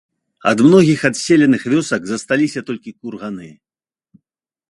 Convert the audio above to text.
Ад многіх адселеных вёсак засталіся толькі курганы.